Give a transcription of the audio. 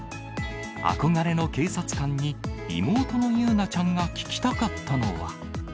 憧れの警察官に妹の友裕奈ちゃんが聞きたかったのは。